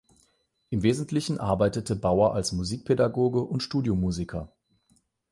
Im Wesentlichen arbeitete Bauer als Musikpädagoge und Studiomusiker.